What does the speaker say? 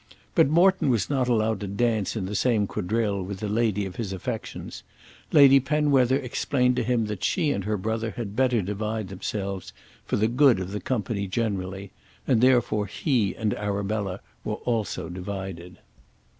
But Morton was not allowed to dance in the same quadrille with the lady of his affections. Lady Penwether explained to him that she and her brother had better divide themselves, for the good of the company generally, and therefore he and Arabella were also divided.